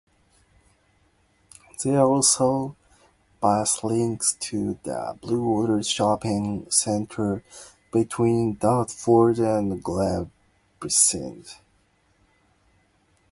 There are also bus links to the Bluewater shopping centre between Dartford and Gravesend.